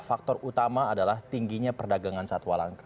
faktor utama adalah tingginya perdagangan satwa langka